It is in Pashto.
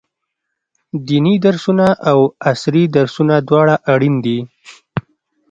ديني درسونه او عصري درسونه دواړه اړين دي.